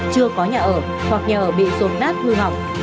chưa có nhà ở hoặc nhà ở bị rồn nát hư hỏng